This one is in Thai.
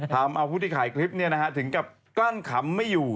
ถามผู้ที่ขายคลิปเนี่ยนะฮะถึงกับกั้นขำไม่อยู่